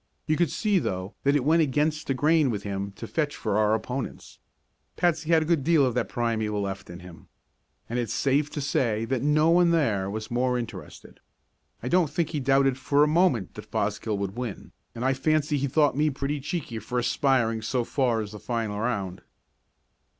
You could see, though, that it went against the grain with him to fetch for our opponents; Patsy had a good deal of the primeval left in him. And it's safe to say that no one there was more interested. I don't think he doubted for a moment that Fosgill would win, and I fancy he thought me pretty cheeky for aspiring so far as the final round.